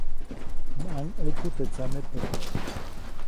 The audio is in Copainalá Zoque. ʼMaŋʼäku teʼ tsamepät.